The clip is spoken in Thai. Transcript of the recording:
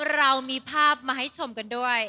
เรามีภาพมาให้ชมกันด้วย